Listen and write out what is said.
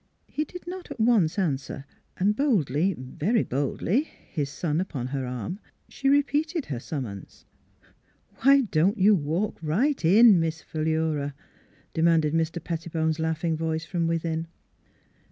He did not at once answer; and boldly very boldly his son upon her arm, she repeated her summons. ;' Why don't you walk right in, Miss Philura ?" demanded Mr. Pettibone's laughing voice from within.